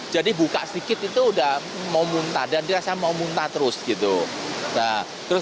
jadi buka sedikit itu sudah mau muntah dan dia rasa mau muntah terus